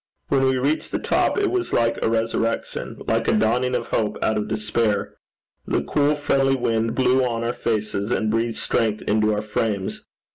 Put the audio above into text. When we reached the top, it was like a resurrection, like a dawning of hope out of despair. The cool friendly wind blew on our faces, and breathed strength into our frames.